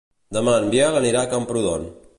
Demà en Biel anirà a Camprodon.